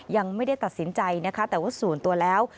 ยังไม่ได้ตัดสินใจนะคะแต่ว่าส่วนตัวแล้ว